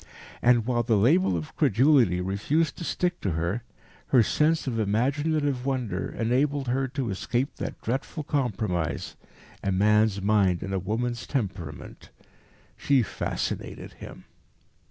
And, while the label of credulity refused to stick to her, her sense of imaginative wonder enabled her to escape that dreadful compromise, a man's mind in a woman's temperament. She fascinated him.